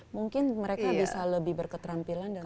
mungkin mereka bisa lebih berketerampilan